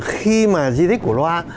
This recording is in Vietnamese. khi mà di tích cổ loa